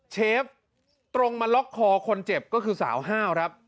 เชฟตรงมาล็อกคอคนเจ็บก็คือสาวห้าวครับ